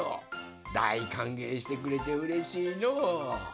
だいかんげいしてくれてうれしいのう。